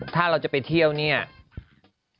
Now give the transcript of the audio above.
ถ้าเราจะไปเที่ยวโรงสึ็ง